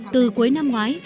từ cuối năm ngoái